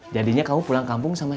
jadinya kamu pulang kampung sama